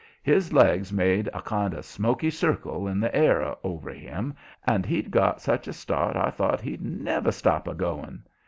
His legs made a kind of smoky circle in the air over him, and he'd got such a start I thought he'd NEVER STOP a going.